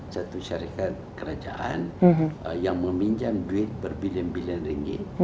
satu syarikat kerajaan yang meminjam duit berbilion bilion ringgit